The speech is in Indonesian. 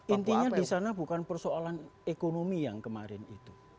intinya di sana bukan persoalan ekonomi yang kemarin itu